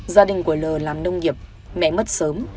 gia đình của l làm nông nghiệp mẹ mất sớm